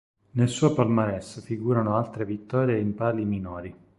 Nel suo palmares figurano altre vittorie in Palii minori.